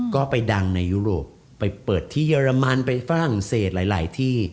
ก็ไปดังในยุโรปไปเปิดที่เยอรมันไปฝรั่งเศสหลายที่